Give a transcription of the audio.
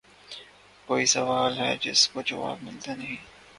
کوئی سوال ھے جس کو جواب مِلتا نیں